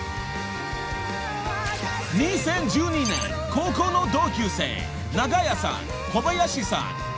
［２０１２年高校の同級生長屋さん小林さん